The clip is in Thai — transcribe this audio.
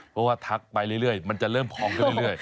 เพราะว่าทักไปเรื่อยมันจะเริ่มพองขึ้นเรื่อย